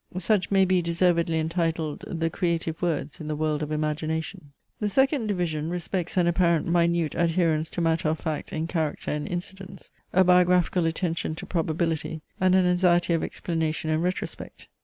Such may be deservedly entitled the creative words in the world of imagination. The second division respects an apparent minute adherence to matter of fact in character and Incidents; a biographical attention to probability, and an anxiety of explanation and retrospect.